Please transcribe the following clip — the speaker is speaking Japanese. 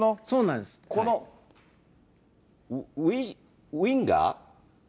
このウィンガー？